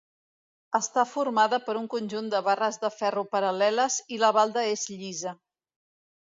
Està formada per un conjunt de barres de ferro paral·leles i la balda és llisa.